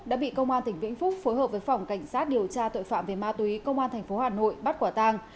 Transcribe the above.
đã bị công an tỉnh vĩnh phúc phối hợp với phòng cảnh sát điều tra tội phạm về ma túy công an tp hà nội bắt quả tàng